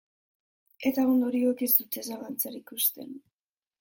Eta ondorioek ez dute zalantzarik uzten.